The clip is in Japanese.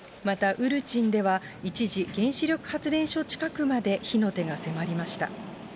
また、ウルチンでは一時原子力発電所近くまで火の手が迫りました。